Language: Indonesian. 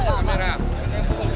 jangan jangan jangan